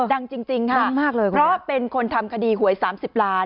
ดังจริงค่ะดังมากเลยเพราะเป็นคนทำคดีหวย๓๐ล้าน